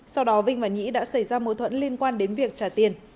sau đó vinh và nhĩ đã xảy ra mối thuẫn liên quan đến việc trả tiền